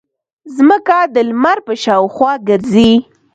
ځمکه د لمر په شاوخوا ګرځي.